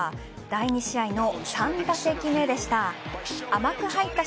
第２試合の３打席目でした。